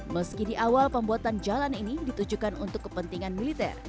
meski di awal pembuatan jalan ini ditujukan untuk kepentingan militer